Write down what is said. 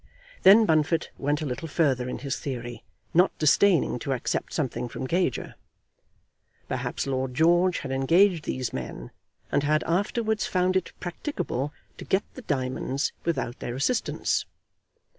Then Bunfit went a little further in his theory, not disdaining to accept something from Gager. Perhaps Lord George had engaged these men, and had afterwards found it practicable to get the diamonds without their assistance.